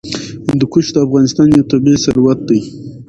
هندوکش د افغانستان یو طبعي ثروت دی.